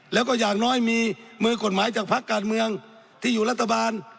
แล้วก็อย่างน้อยมีมือกฎหมายจากภาคการเมืองที่อยู่รัฐบาล